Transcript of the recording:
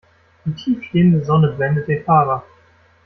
Die tief stehende Sonne blendet den Fahrer.